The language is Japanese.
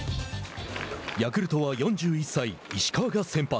ヤクルトは４１歳石川が先発。